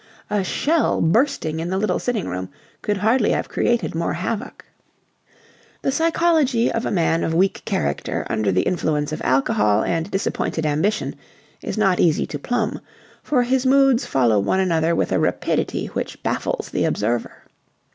A shell bursting in the little sitting room could hardly have created more havoc. The psychology of a man of weak character under the influence of alcohol and disappointed ambition is not easy to plumb, for his moods follow one another with a rapidity which baffles the observer.